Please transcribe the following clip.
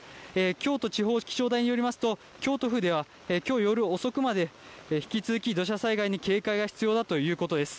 京都地方気象台によりますと、京都府ではきょう夜遅くまで引き続き、土砂災害に警戒が必要だということです。